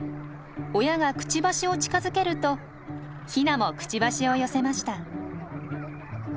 親がクチバシを近づけるとヒナもクチバシを寄せました。